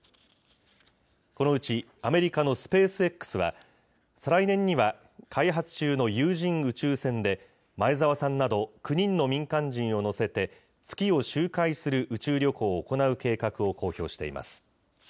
このうちアメリカのスペースＸは、再来年には、開発中の有人宇宙船で、前澤さんなど９人の民間人を乗せて、月を周回する宇宙旅行を行う計画を公表しています。